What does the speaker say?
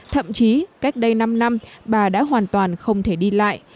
thậm chí cách đây năm năm bà đã hoàn toàn không thể đi lại